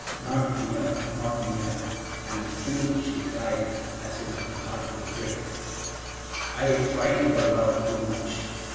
Not near! not near!' And still she cried, as if her heart would break. 'I try your love too much.